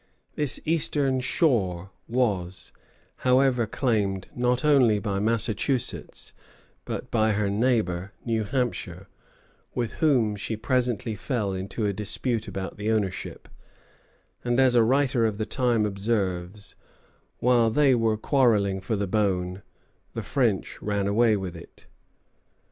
This eastern shore was, however, claimed not only by Massachusetts, but by her neighbor, New Hampshire, with whom she presently fell into a dispute about the ownership, and, as a writer of the time observes, "while they were quarrelling for the bone, the French ran away with it."